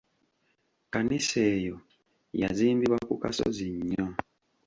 Kkanisa eyo yazimbibwa ku kasozi nnyo.